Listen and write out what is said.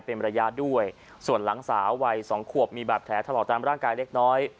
เป็นระยะด้วยส่วนหลังสาววัยสองขวบมีบาดแผลถลอกตามร่างกายเล็กน้อย